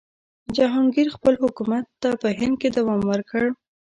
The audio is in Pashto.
جهانګیر خپل حکومت ته په هند کې دوام ورکړ.